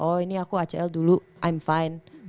oh ini aku acl dulu ime fine